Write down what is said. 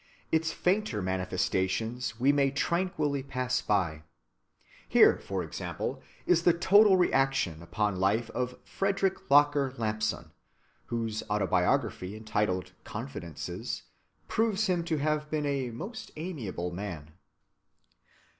Its fainter manifestations we may tranquilly pass by. Here, for example, is the total reaction upon life of Frederick Locker Lampson, whose autobiography, entitled "Confidences," proves him to have been a most amiable man.